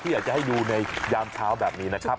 อยากจะให้ดูในยามเช้าแบบนี้นะครับ